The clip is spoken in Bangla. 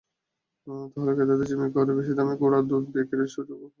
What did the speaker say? তাহলে ক্রেতাদের জিম্মি করে বেশি দামে গুঁড়া দুধ বিক্রির সুযোগও কমে আসবে।